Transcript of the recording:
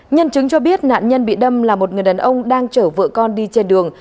nhân chứng cho biết nạn nhân bị đâm là một người đàn ông đang chở vợ con đi trên đường